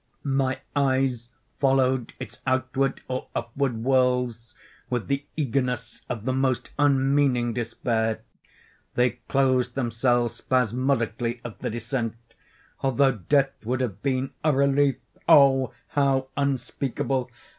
My eyes followed its outward or upward whirls with the eagerness of the most unmeaning despair; they closed themselves spasmodically at the descent, although death would have been a relief, oh, how unspeakable!